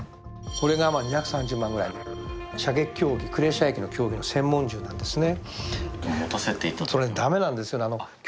これが２３０万ぐらい射撃競技、クレー射撃の専門銃なんですね。